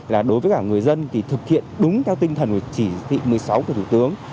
là đối với cả người dân thì thực hiện đúng theo tinh thần của chỉ thị một mươi sáu của thủ tướng